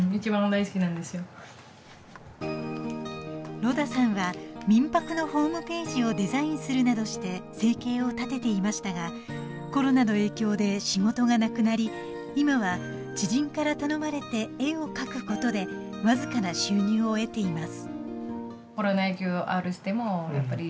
ロダさんは民泊のホームページをデザインするなどして生計を立てていましたがコロナの影響で仕事がなくなり今は知人から頼まれて絵を描くことでわずかな収入を得ています